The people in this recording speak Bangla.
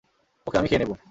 ওকে আমি খেয়ে নেব।